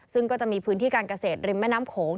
ซึ่งก็จะมีพื้นที่การเกษตรริมแม่น้ำโขง